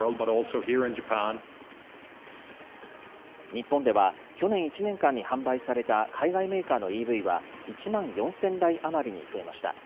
日本では、去年１年間に販売された海外メーカーのＥＶは１万４０００台余りに増えました。